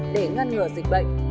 để ngăn ngừa dịch bệnh